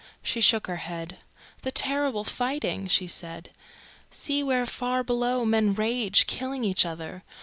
She shook her head. "The terrible fighting!" she said. "See where far below men rage, killing each other.